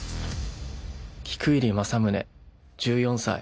菊入正宗、１４歳。